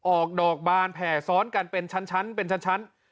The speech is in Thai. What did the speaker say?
ออกดอกบานแผ่ซ้อนกันเป็นชั้น